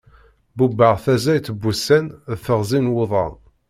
Bubbeɣ taẓayt n wussan d teɣzi n wuḍan.